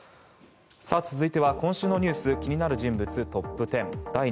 続いて今週の気になる人物トップ１０。